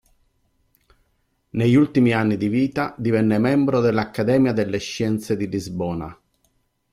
Negli ultimi anni di vita divenne membro dell'Accademia delle scienze di Lisbona.